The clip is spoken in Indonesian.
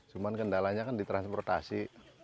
cuman kendalanya kan di transportasi